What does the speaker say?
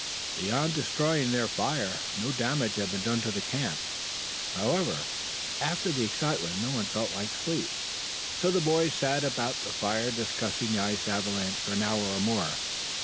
Beyond destroying their fire, no damage had been done to the camp. However, after the excitement no one felt like sleep, so the boys sat about the fire discussing the ice avalanche for an hour or more.